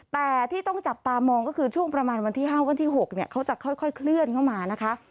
แต่ที่ต้องจับตามองก็คือช่วงประมาณวันที่๕วันที่๖เขาจะค่อยเคลื่อนเข้ามานะคะ